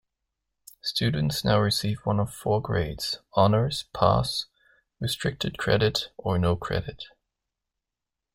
Students now receive one of four grades: honors, pass, restricted credit, or no credit.